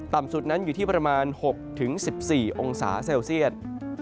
สุดนั้นอยู่ที่ประมาณ๖๑๔องศาเซลเซียต